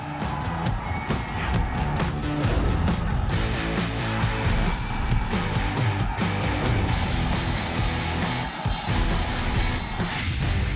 อันดับที่สอง